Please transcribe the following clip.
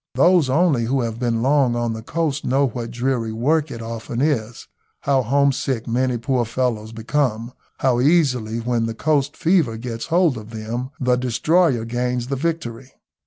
Those only who have been long on the coast know what dreary work it often is, how homesick many poor fellows become, how easily, when the coast fever gets hold of them, the destroyer gains the victory.